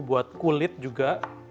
buat kulit juga